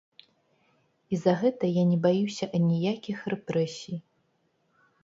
І за гэта я не баюся аніякіх рэпрэсій.